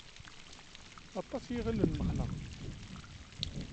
Aṭas i iɣillen mxelleɣ.